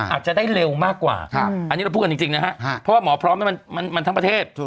อาจจะได้เร็วมากกว่าอันนี้เราพูดกันจริงนะฮะเพราะว่าหมอพร้อมมันทั้งประเทศ